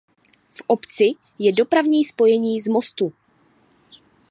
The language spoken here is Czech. V obci je dopravní spojení z Mostu.